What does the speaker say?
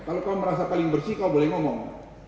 kalau kamu merasa paling bersih kau boleh ngomong